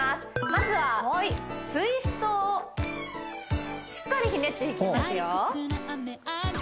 まずはツイストをしっかりひねっていきますよ